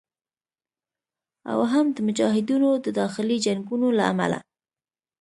او هم د مجاهدینو د داخلي جنګونو له امله